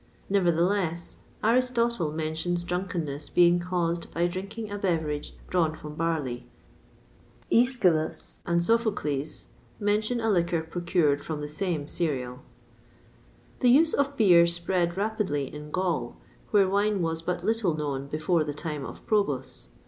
Nevertheless, Aristotle[XXVI 9] mentions drunkenness being caused by drinking a beverage drawn from barley. Æschylus[XXVI 10] and Sophocles[XXVI 11] mention a liquor procured from the same cereal. The use of beer spread rapidly in Gaul, where wine was but little known before the time of Probus.